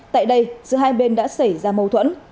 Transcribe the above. tại đây giữa hai bên đã xảy ra mâu thuẫn